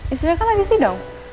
istrinya kan lagi sidang